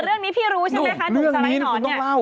แต่เรื่องนี้พี่รู้ใช่ไหมค่ะหนุ่มสไล่หนอนนี่